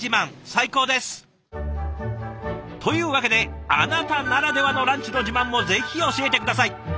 最高です！というわけであなたならではのランチの自慢もぜひ教えて下さい！